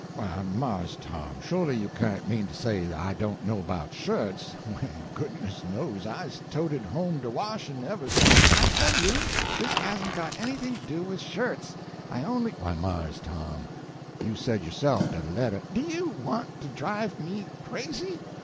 "Why, Mars Tom, sholy you can't mean to say I don't know about shirts, when, goodness knows, I's toted home de washin' ever sence—" "I tell you, this hasn't got anything to do with shirts. I only—" "Why, Mars Tom, you said yo'self dat a letter—" "Do you want to drive me crazy?